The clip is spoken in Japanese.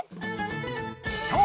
そう！